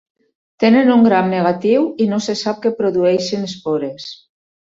Tenen un gram negatiu i no se sap que produeixin espores.